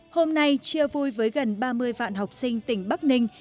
hôm nay chia vui với gần ba mươi vạn học sinh tỉnh bắc ninh